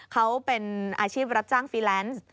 เขาเป็นอาชีพรับจ้างฟรีแลนซ์